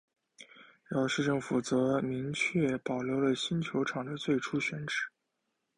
而市政府则明确保留了新球场的最初选址。